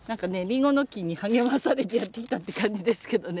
リンゴの木に励まされてやってきたって感じですけどね。